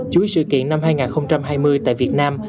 chuỗi sự kiện năm hai nghìn hai mươi tại việt nam